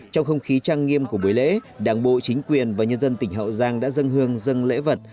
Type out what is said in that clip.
trong không khí trang nghiêm của buổi lễ đảng bộ chính quyền và nhân dân tỉnh hậu giang đã dân hương dân lễ vật